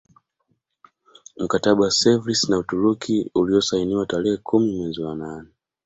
Mkataba wa Sevres na Uturuki uliozsainiwa tarehe kumi mwezi wa nane